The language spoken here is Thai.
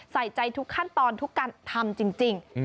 ใส่ใจทุกขั้นตอนทุกการทำจริง